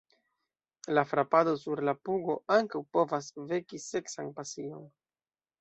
La frapado sur la pugo ankaŭ povas veki seksan pasion.